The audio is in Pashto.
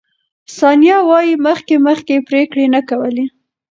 ثانیه وايي، مخکې مخکې پرېکړې نه کولې.